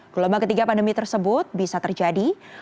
gelombang ketiga pandemi tersebut bisa terjadi